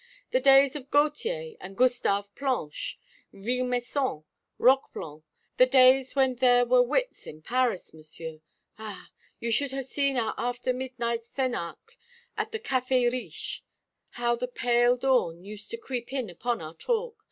The days of Gautier and Gustave Planche, Villemessant, Roqueplan the days when there were wits in Paris, Monsieur. Ah! you should have seen our after midnight cénacle at the Café Riche. How the pale dawn used to creep in upon our talk!